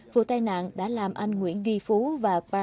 vụ tai nạn đã làm anh nguyễn ghi phú và hẹ bị đá